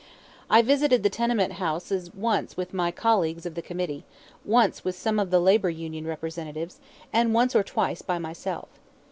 I visited the tenement houses once with my colleagues of the committee, once with some of the labor union representatives, and once or twice by myself.